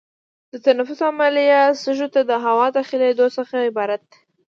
د تنفس عملیه سږو ته د هوا د داخلېدو څخه عبارت ده.